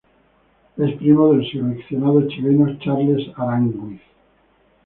Es primo del seleccionado chileno Charles Aránguiz.